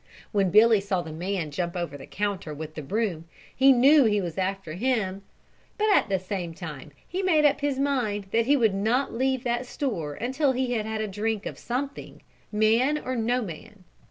When Billy saw the man jump over the counter with the broom, he knew he was after him but at the same time he made up his mind that he would not leave that store until he had had a drink of something, man or no man.